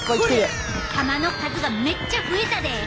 ほれ玉の数がめっちゃ増えたで！